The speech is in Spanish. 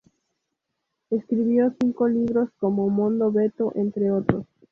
Escribió cinco libros, como "Mondo Beto", entre otros.